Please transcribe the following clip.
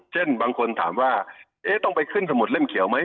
เช่นบางคนถามว่าต้องไปขึ้นสมุดเล่มเขียวไหม